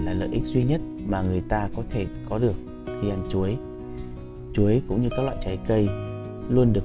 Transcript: là lợi ích duy nhất mà người ta có thể có được khi ăn chuối chuối cũng như các loại trái cây luôn được